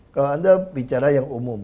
kalau anda bicara yang umum